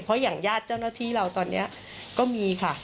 เพราะอย่างญาติเจ้าหน้าที่เราตอนนี้ก็มีค่ะ